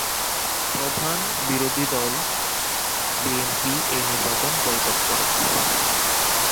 প্রধান বিরোধী দল বিএনপি এই নির্বাচন বয়কট করে।